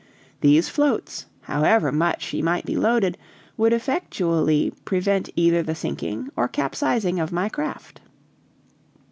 These floats, however much she might be loaded, would effectually prevent either the sinking or capsizing of my craft.